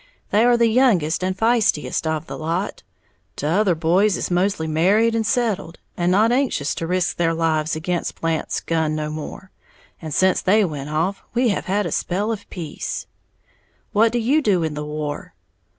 They are the youngest and feistiest of the lot, t'other boys is mostly married and settled, and not anxious to risk their lives again' Blant's gun no more and sence they went off, we have had a spell of peace." "What do you do in the war?"